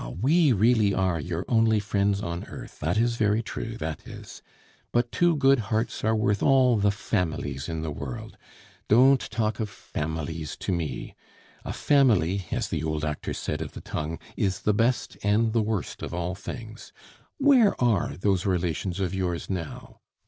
we really are your only friends on earth, that is very true, that is. But two good hearts are worth all the families in the world. Don't talk of families to me! A family, as the old actor said of the tongue, is the best and the worst of all things.... Where are those relations of yours now?